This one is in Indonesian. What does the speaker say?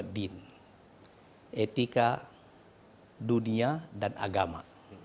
ini menyebutnya dunia dan agama